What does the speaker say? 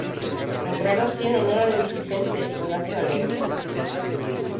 Nombrado así en honor al insurgente Ignacio Allende.